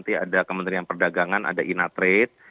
ya itu nanti ada kementerian perdagangan ada inatrade